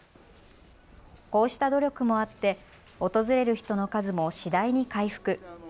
こうした努力もあって訪れる人の数も次第に回復。